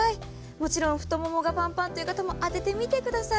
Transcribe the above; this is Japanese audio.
もちろん太ももがパンパンという肩も当ててみてください。